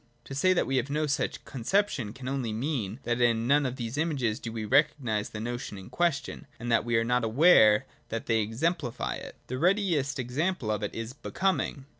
To say that we have no such conception can only mean, that in none of these images do we recognise the notion in question, and that we are not aware that they exem plify it. The readiest example of it is Becoming.